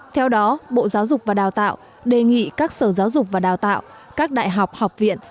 theo đó bộ giáo dục và đào tạo đề nghị các sở giáo dục và đào tạo các đại học học viện